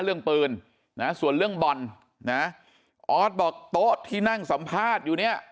เรื่องปืนนะส่วนเรื่องบอลนะออสบอกโต๊ะที่นั่งสัมภาษณ์อยู่เนี่ย